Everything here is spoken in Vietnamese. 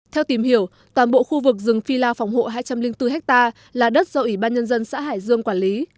theo tìm hiểu toàn bộ khu vực rừng phi lao phòng hộ hai trăm linh bốn ha là đất do ủy ban nhân dân xã hải dương quản lý